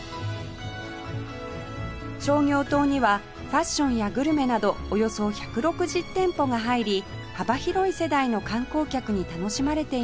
商業棟にはファッションやグルメなどおよそ１６０店舗が入り幅広い世代の観光客に楽しまれています